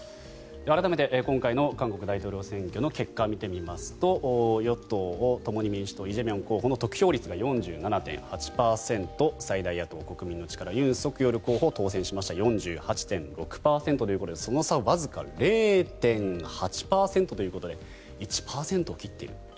改めて今回の韓国大統領選挙の結果を見てみますと与党・共に民主党イ・ジェミョン候補の得票率が４７．８％最大野党・国民の力ユン・ソクヨル候補当選しました４８．６％ということでその差はわずか０．８％ということで１％を切っている。